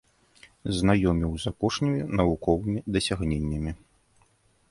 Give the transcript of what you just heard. Знаёміў з апошнімі навуковымі дасягненнямі.